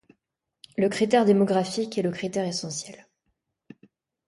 Le critère démographique est le critère essentiel.